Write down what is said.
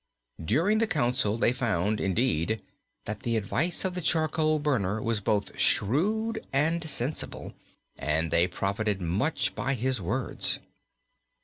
During the council they found, indeed, that the advice of the charcoal burner was both shrewd and sensible, and they profited much by his words.